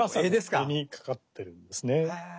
柄に掛かってるんですね。